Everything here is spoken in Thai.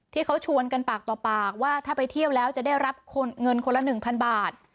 ที่เขาชวนกันปากต่อปากว่าถ้าไปเที่ยวแล้วจะได้รับเงินคนละ๑๐๐บาท